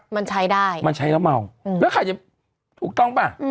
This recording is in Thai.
มันใช้ได้มันใช้แล้วเมาแล้วใครจะถูกต้องป่ะ